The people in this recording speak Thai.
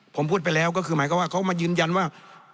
ผมพูดไปแล้วก็คือหมายความว่าเขามายืนยันว่า